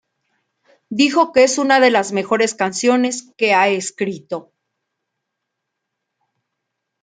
Dijo que es una de las mejores canciones que ha escrito.